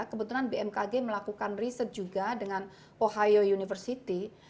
kebetulan bmkg melakukan riset juga dengan ohio university